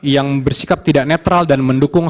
yang bersikap tidak netral dan mendukung